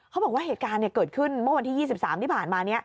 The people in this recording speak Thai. เหตุการณ์เกิดขึ้นเมื่อวันที่๒๓ที่ผ่านมา